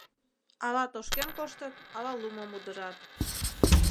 Ала тошкен коштыт, ала лумым удырат.